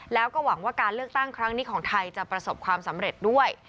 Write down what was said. แล้วก็หวังว่าการเลือกตั้งครั้งนี้ของไทยจะประสบความสำเร็จด้วย